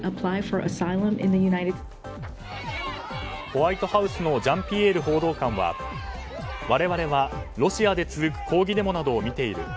ホワイトハウスのジャンピエール報道官は我々はロシアで続く抗議デモなどを見ている。